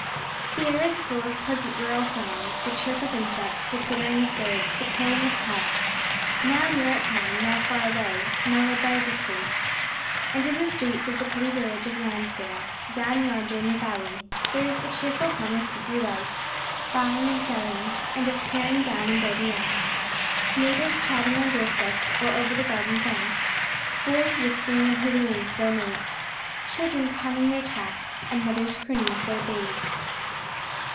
The air is full of pleasant rural sounds the chirp of insects, the twittering of birds, the crowing of cocks now near at hand, now far away, mellowed by the distance; and in the streets of the pretty village of Lansdale, down yonder in the valley, there is the cheerful hum of busy life; of buying and selling, of tearing down and building up; neighbors chatting on doorsteps or over the garden fence, boys whistling and hallooing to their mates, children conning their tasks, and mothers crooning to their babes.